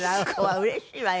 うれしいわよ